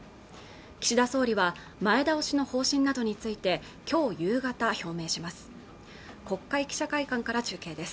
岸田総理は前倒しの方針などについて今日夕方表明します